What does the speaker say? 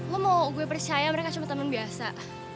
lu mau gue percaya mereka cuma temen biasa